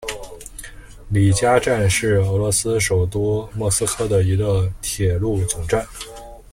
里加站是俄罗斯首都莫斯科的一个铁路总站。